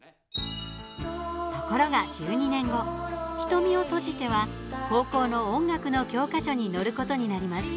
ところが１２年後「瞳を閉じて」は高校の音楽の教科書に載ることになります。